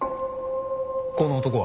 この男は？